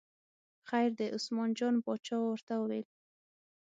خیر دی، عثمان جان باچا ورته وویل.